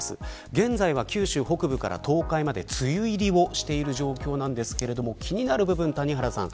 現在は九州北部から東海まで梅雨入りをしている状況ですが気になる部分、谷原さん